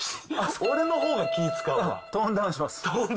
俺のほうが気を遣うわトーンダウンします。